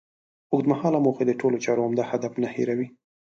اوږد مهاله موخې د ټولو چارو عمده هدف نه هېروي.